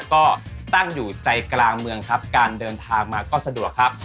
ก็ตั้งอยู่ใจกลางเมืองครับการเดินทางมาก็สะดวกครับ